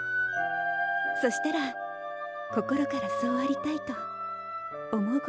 そしたら心からそうありたいと思うことができた。